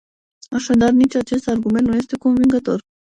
Așadar, nici acest argument nu este convingător.